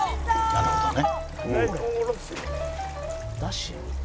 なるほどね。